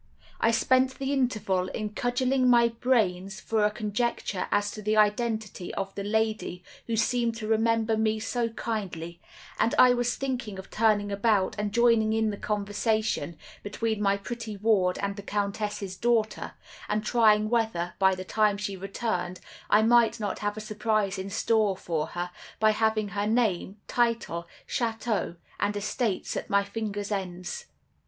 "I spent the interval in cudgeling my brains for a conjecture as to the identity of the lady who seemed to remember me so kindly, and I was thinking of turning about and joining in the conversation between my pretty ward and the Countess's daughter, and trying whether, by the time she returned, I might not have a surprise in store for her, by having her name, title, chateau, and estates at my fingers' ends.